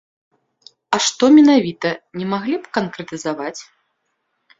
А што менавіта, не маглі б канкрэтызаваць?